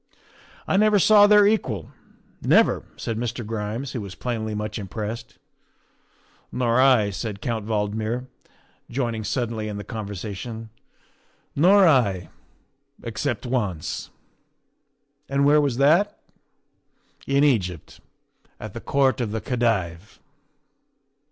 ' I never saw their equal never," said Mr. Grimes, who was plainly much impressed. " Nor I," said Count Valdmir, joining suddenly in the conversation, " nor I except once." "And where was that?" " In Egypt, at the Court of the Khedive."